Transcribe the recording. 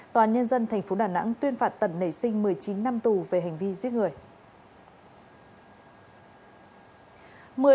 tòa án nhân dân tp đà nẵng tuyên phạt tần nảy sinh một mươi chín năm tù về hành vi giết người